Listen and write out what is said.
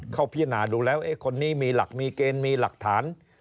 เขาพิจารณาดูแล้วคนนี้มีหลักมีเกณฑ์มีหลักฐาน